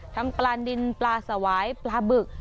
ปลาดินปลาสวายปลาบึก